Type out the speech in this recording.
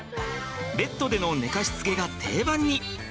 ベッドでの寝かしつけが定番に。